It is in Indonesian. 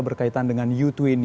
berkaitan dengan u dua puluh